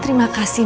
terima kasih ya